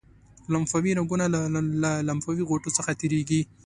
لمفاوي رګونه له لمفاوي غوټو څخه تیریږي.